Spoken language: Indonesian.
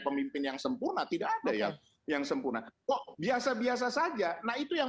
pemimpin yang sempurna tidak ada yang yang sempurna kok biasa biasa saja nah itu yang